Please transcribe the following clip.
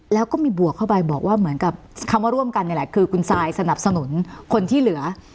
แล้วก็มีบวกเข้าไปบอกว่าเหมือนกับคำว่าร่วมกันนี่แหละคือคุณซายสนับสนุนคนที่เหลือ